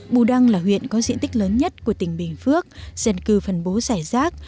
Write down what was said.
bù đăng là huyện có diện tích lớn nhất của tỉnh bình phước dành cư phần bố xài rác